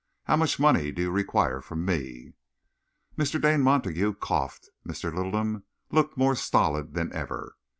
How much money do you require from me?" Mr. Dane Montague coughed. Mr. Littleham looked more stolid than ever.